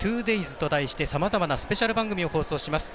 ２Ｄａｙｓと題してさまざまなスペシャル番組を放送します。